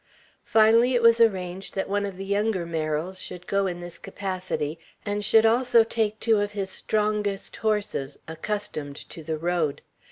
Finally it was arranged that one of the younger Merrills should go in this capacity, and should also take two of his strongest horses, accustomed to the road.